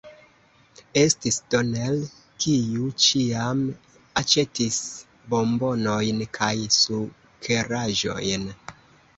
Estis Donel, kiu ĉiam aĉetis bombonojn kaj sukeraĵojn.